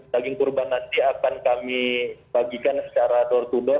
daging kurban nanti akan kami bagikan secara turut turut